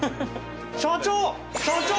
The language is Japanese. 社長！